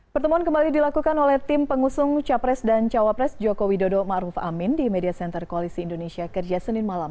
pertemuan kembali dilakukan oleh tim pengusung capres dan cawapres joko widodo ⁇ maruf ⁇ amin di media center koalisi indonesia kerja senin malam